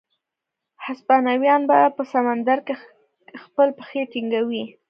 هسپانویان به په سمندرګي کې خپلې پښې ټینګوي.